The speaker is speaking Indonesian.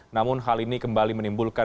namun hal ini kembali menimbulkan